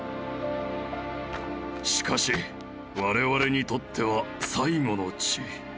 しかし我々にとっては最期の地。